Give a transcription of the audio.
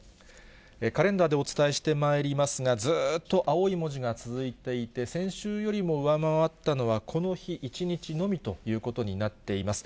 カレンダーでお伝えしてまいりますが、ずーっと青い文字が続いていて、先週よりも上回ったのは、この日１日のみということになっています。